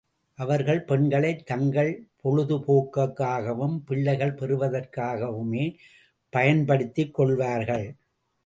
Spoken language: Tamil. அவர்கள் பெண்களைத் தங்கள் பொழுது போக்குக்காகவும், பிள்ளை பெறுவதற்காகவுமே பயன்படுத்திக்கொள்வார்கள்.